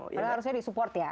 orang harusnya di support ya